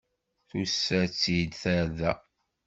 Tusa-tt-id tarda.